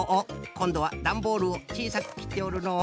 こんどはだんボールをちいさくきっておるのう。